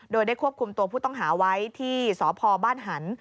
โดยได้ควบคุมตัวผู้ต้องหาไว้ที่สพบ้านหัน